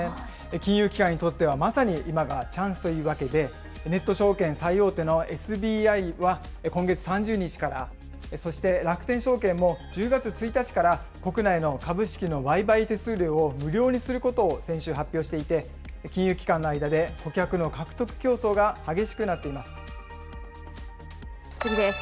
金融機関にとっては、まさに今がチャンスというわけで、ネット証券最大手のＳＢＩは今月３０日から、そして楽天証券も１０月１日から国内の株式の売買手数料を無料にすることを先週発表していて、金融機関の間で顧客の獲得競争が激次です。